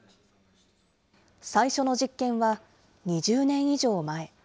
最初の実験は２０年以上前。